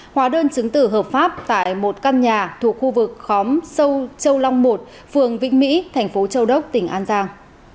hóa đơn chứng tử hợp pháp tại một căn nhà thuộc khu vực khóm sâu châu long một phường vĩnh mỹ thành phố châu đốc tỉnh an giang